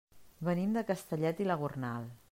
Venim de Castellet i la Gornal.